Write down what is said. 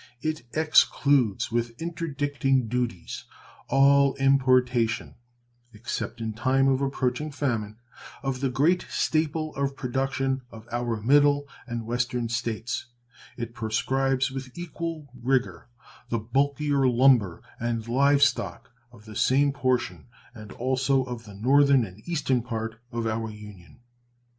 It excludes with interdicting duties all importation (except in time of approaching famine) of the great staple of production of our Middle and Western States; it proscribes with equal rigor the bulkier lumber and live stock of the same portion and also of the Northern and Eastern part of our Union.